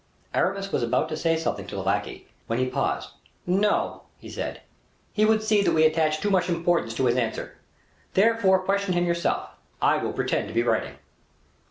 Aramis was about to say something to the lackey, when he paused. "No," he said; "he would see that we attach too much importance to his answer; therefore question him yourself; I will pretend to be writing."